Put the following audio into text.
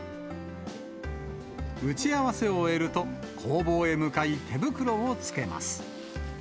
打ち合わせを終えると、工房へ向かい、手袋をつけます。